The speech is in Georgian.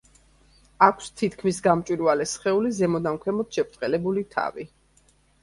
აქვს თითქმის გამჭვირვალე სხეული, ზემოდან ქვემოთ შებრტყელებული თავი.